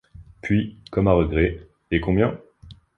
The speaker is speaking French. Puis, comme à regret: — Et combien?